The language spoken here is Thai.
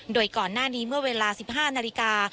โดยก่อนหน้านี้เมื่อเวลา๑๕นาฬิกา